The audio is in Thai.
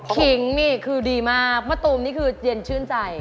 ขิงนี่คือดีมากมะตูมนี่คือเย็นชื่นใจ